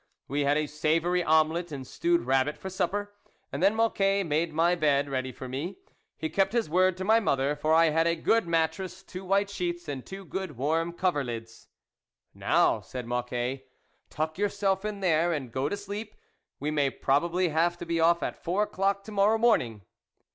We had a savoury omelette and stewed rabbit for supper, and then Mocquet made my bed ready for me. He kept his word to my mother, for I had a good mattress, two white sheets and two good warm coverlids. " Now," said Mocquet, " tuck yourself in there, and go to sleep ; we may probably have to be off at four o'clock to morrow morning."